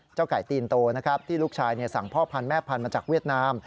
ไก่ตีนโตนะครับที่ลูกชายสั่งพ่อพันธุแม่พันธุ์มาจากเวียดนาม